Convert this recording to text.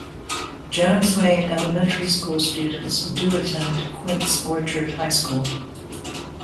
Jones Lane Elementary School students do attend Quince Orchard High School.